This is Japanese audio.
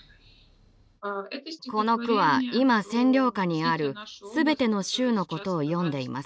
この句は今占領下にあるすべての州のことを詠んでいます。